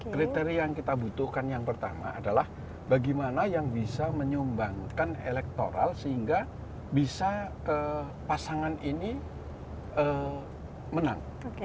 kriteria yang kita butuhkan yang pertama adalah bagaimana yang bisa menyumbangkan elektoral sehingga bisa pasangan ini menang